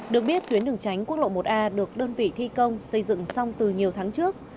được biết tuyến đường tránh quốc lộ một a được đơn vị thi công xây dựng xong từ nhiều tháng trước